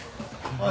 おい。